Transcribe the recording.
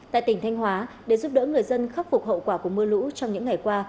tại tỉnh thanh hóa để giúp đỡ người dân khắc phục hậu quả của mưa lũ trong những ngày qua